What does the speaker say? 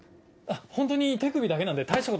ホントに手首だけなんで大したこと。